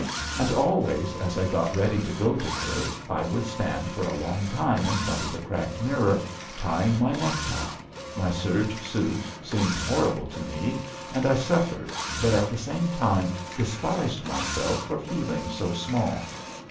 And always as I got ready to go to her, I would stand for a long time in front of the cracked mirror tying my necktie; my serge suit seemed horrible to me, and I suffered, but at the same time, despised myself for feeling so small.